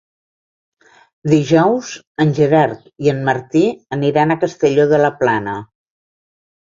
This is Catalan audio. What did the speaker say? Dijous en Gerard i en Martí aniran a Castelló de la Plana.